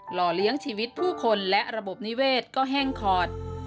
ห่อเลี้ยงชีวิตผู้คนและระบบนิเวศก็แห้งขอด